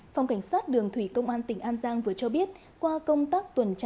phòng cảnh sát đường thủy công an tỉnh an giang vừa cho biết qua công tác tuần tra